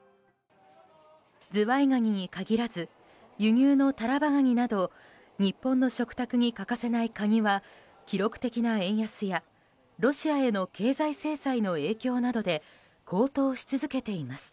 ズワイガニに限らず輸入のタラバガニなど日本の食卓に欠かせないカニは記録的な円安やロシアへの経済制裁の影響などで高騰し続けています。